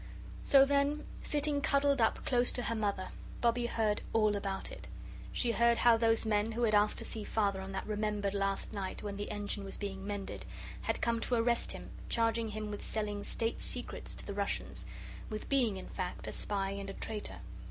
So then, sitting cuddled up close to her Mother, Bobbie heard "all about it." She heard how those men, who had asked to see Father on that remembered last night when the Engine was being mended, had come to arrest him, charging him with selling State secrets to the Russians with being, in fact, a spy and a traitor.